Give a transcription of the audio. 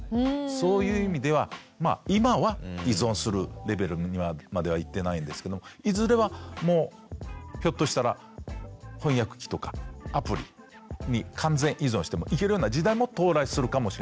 そういう意味ではまあ今は依存するレベルまではいってないんですけどいずれはもうひょっとしたら翻訳機とかアプリに完全依存してもいけるような時代も到来するかもしれませんね。